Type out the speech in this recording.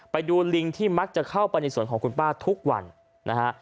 ไปดูลิงที่มักจะเข้าไปในส่วนของคุณป้าทุกวันนะฮะ